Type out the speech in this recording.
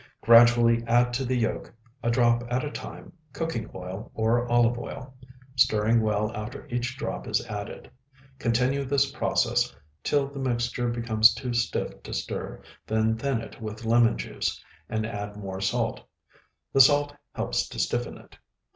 Gradually add to the yolk, a drop at a time, cooking oil or olive oil, stirring well after each drop is added. Continue this process till the mixture becomes too stiff to stir, then thin it with lemon juice, and add more salt. The salt helps to stiffen it.